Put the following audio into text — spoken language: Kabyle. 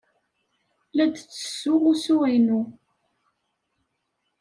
La d-ttessuɣ usu-inu.